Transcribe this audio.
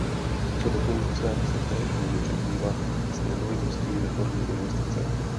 Co do funkce se též může překrývat s nemovitostí ve formě investice.